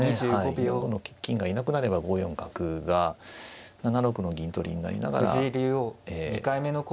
４五の金がいなくなれば５四角が７六の銀取りになりながらええ